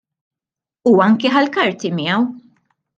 U anke ħa l-karti miegħu!